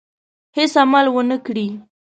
هېڅ عمل ونه کړي.